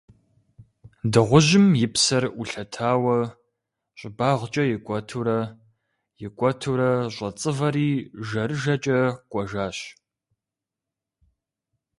Дыгъужьым и псэр Ӏулъэтауэ, щӀыбагъкӀэ икӀуэтурэ, икӀуэтурэ щӀэцӀывэри жэрыжэкӀэ кӀуэжащ.